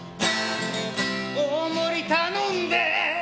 大盛り頼んで。